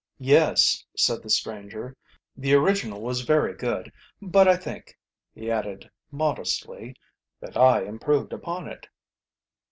"Yes," said the stranger, "the original was very good, but I think," he added modestly, "that I improved upon it."